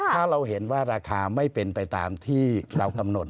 ถ้าเราเห็นว่าราคาไม่เป็นไปตามที่เรากำหนด